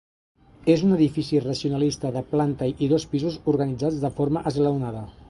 És un edifici racionalista de planta i dos pisos organitzats de forma esglaonada.